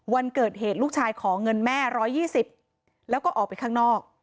วันเกิดเหตุลูกชายขอเงินแม่๑๒๐แล้วก็ออกไปข้างนอก